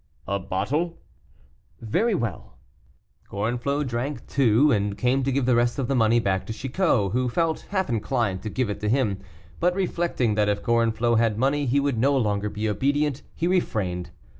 "A bottle." "Very well." Gorenflot drank two, and came to give the rest of the money back to Chicot, who felt half inclined to give it to him, but reflecting that if Gorenflot had money he would no longer be obedient, he refrained.